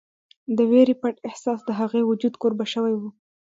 د وېرې پټ احساس د هغې وجود کوربه شوی و